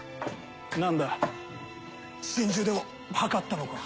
何だ心中でも図ったのか？